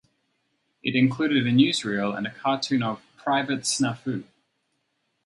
It included a newsreel and a cartoon of "Private Snafu".